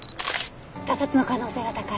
他殺の可能性が高い。